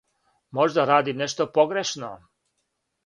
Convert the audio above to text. Можда радим нешто погрешно.